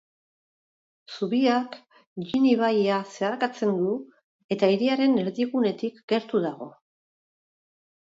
Zubiak Jin ibaia zeharkatzen du eta hiriaren erdigunetik gertu dago.